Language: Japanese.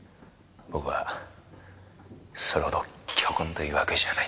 僕はそれほど巨根というわけじゃないんだ。